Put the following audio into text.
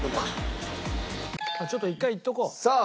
ちょっと１回いっとこう。